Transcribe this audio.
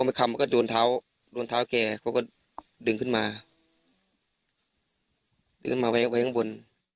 บางคำมันก็โดนเท้าโดนเท้าแกเขาก็ดึงขึ้นมาดึงขึ้นมาไว้ข้างบน